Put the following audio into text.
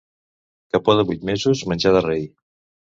Capó de vuit mesos, menjar de rei.